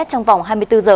trong vòng hai mươi bốn h